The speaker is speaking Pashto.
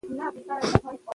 څه کسان هره ورځ واکسین کېږي؟